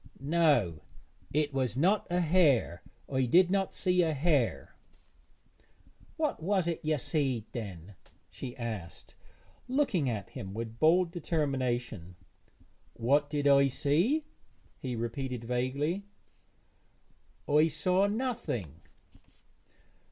'No, it was not a hare; I did not see a hare.' 'What was't ye seed then?' she asked, looking at him with bold determination. 'What did I see?' he repeated vaguely, 'I saw nothing.'